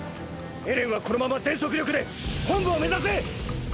エレンはこのまま全速力で本部を目指せ！！